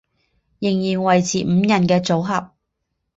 仍然维持五人的组合。